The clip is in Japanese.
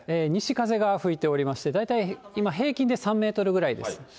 西風が吹いておりまして、大体今、平均で３メートルぐらいです。